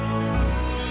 dedy kamu mau ke rumah